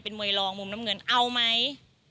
มวยรองมุมน้ำเงินเอาไหม